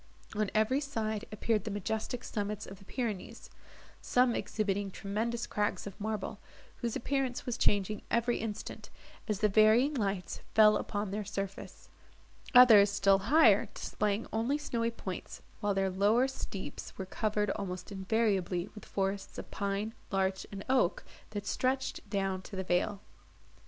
On every side appeared the majestic summits of the Pyrenees, some exhibiting tremendous crags of marble, whose appearance was changing every instant, as the varying lights fell upon their surface; others, still higher, displaying only snowy points, while their lower steeps were covered almost invariably with forests of pine, larch, and oak, that stretched down to the vale.